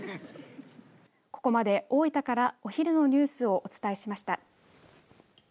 ここまで大分からお昼のニュースをお伝えしました。